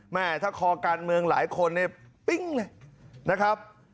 แม่ถ้าคอการเมืองหลายคนเนี่ยปิ้งเลยนะครับ